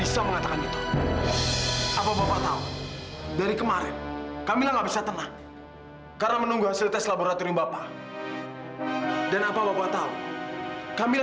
sampai jumpa di video selanjutnya